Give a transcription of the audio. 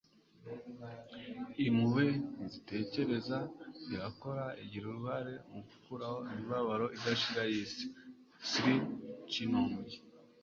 impuhwe ntizitekereza irakora igira uruhare mu gukuraho imibabaro idashira y'isi - sri chinmoy